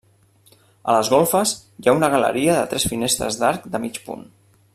A les golfes hi ha una galeria de tres finestres d'arc de mig punt.